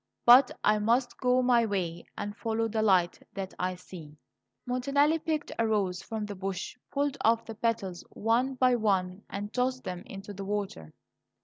But I must go my way and follow the light that I see." Montanelli picked a rose from the bush, pulled off the petals one by one, and tossed them into the water.